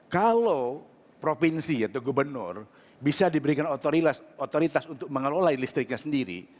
kalau provinsi atau gubernur bisa diberikan otoritas untuk mengelola listriknya sendiri